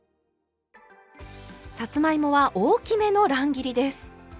さつまいもは大きめの乱切りです。